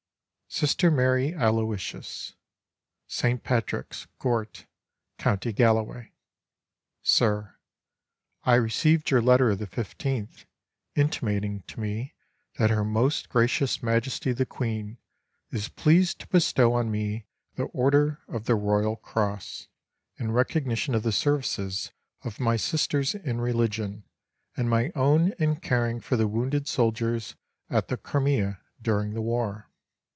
SISTER MARY ALOYSIUS. St. Patrick's, Gort, County Galway. Sir: I received your letter of the 15th, intimating to me that Her Most Gracious Majesty the Queen is pleased to bestow on me the Order of the Royal Cross in recognition of the services of my Sisters in religion and my own in caring for the wounded soldiers at the Crimea during the war.